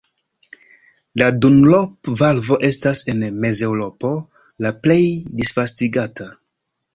La "Dunlop-valvo" estas en Mezeŭropo la plej disvastigata.